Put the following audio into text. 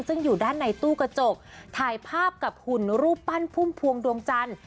ซึ่งอยู่ด้านในตู้กระจกถ่ายภาพกับหุ่นรูปปั้นพุ่มพวงดวงจันทร์